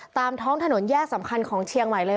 ตามท้องถนนแยกสำคัญของเชียงใหม่เลย